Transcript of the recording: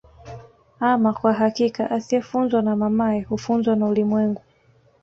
Aama kwa hakika asiyefunzwa na mamaye hufuzwa na ulimwengu